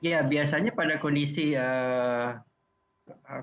ya biasanya pada kondisi padat masing masing